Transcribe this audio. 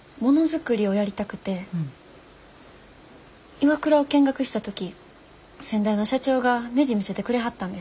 ＩＷＡＫＵＲＡを見学した時先代の社長がねじ見せてくれはったんです。